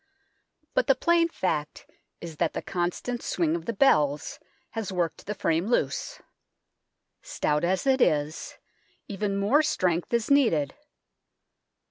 But the plain fact is that the constant swing of the bells has worked the frame loose. Stout as it is, even more strength is needed.